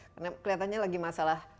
karena kelihatannya lagi masalah